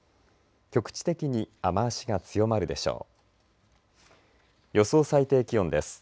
局地的に雨足が強まるでしょう。